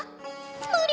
無理。